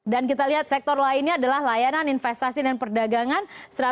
dan kita lihat sektor lainnya adalah layanan investasi dan perdagangan